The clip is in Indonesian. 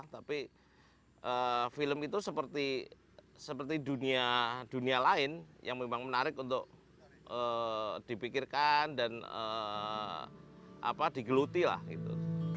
tapi film itu seperti dunia lain yang memang menarik untuk dipikirkan dan digeluti lah gitu